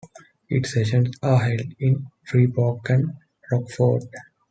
Its sessions are held in Freeport and Rockford.